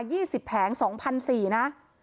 ยี่สิบแผงสองพันสี่นะ